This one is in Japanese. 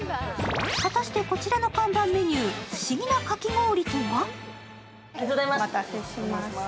果たして、こちらの看板メニュー、不思議なかき氷とは？